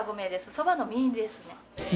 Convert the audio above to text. そばの実ですね